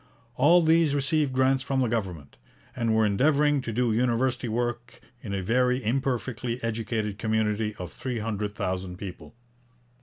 All these received grants from the government, and were endeavouring to do university work in a very imperfectly educated community of three hundred thousand people.